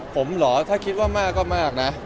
ผมเหรอถ้าคิดว่ามากก็มากนะ